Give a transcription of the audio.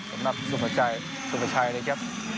สำหรับซุภาชัยซุภาชัยเลยครับ